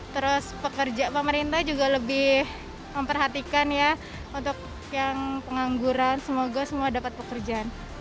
terus pekerja pemerintah juga lebih memperhatikan ya untuk yang pengangguran semoga semua dapat pekerjaan